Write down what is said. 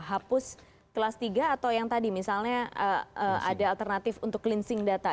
hapus kelas tiga atau yang tadi misalnya ada alternatif untuk cleansing data